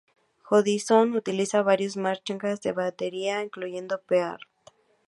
Jordison utiliza varias marcas de batería incluyendo Pearl.